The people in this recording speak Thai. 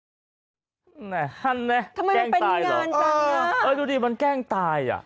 ไปแล้วไปแล้วโอ้ยไม่แกล้งตายเหรอเออเออดูดิมันแกล้งตายอ่ะ